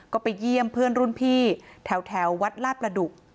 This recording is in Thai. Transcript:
ก็ไปเยี่ยมเพื่อนรุ่นพี่แถววัดลาดประดุก